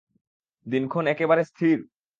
দিনক্ষণ একেবারে স্থির?